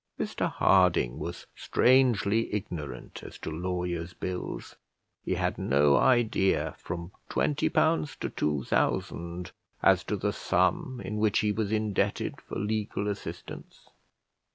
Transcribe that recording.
Mr Harding was strangely ignorant as to lawyers' bills; he had no idea, from twenty pounds to two thousand, as to the sum in which he was indebted for legal assistance.